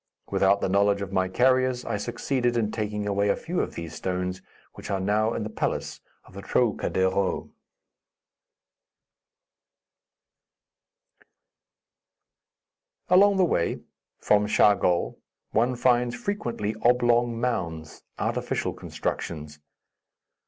Without the knowledge of my carriers, I succeeded in taking away a few of these stones, which are now in the palace of the Trocadero. Along the way, from Chargol, one finds frequently oblong mounds, artificial constructions.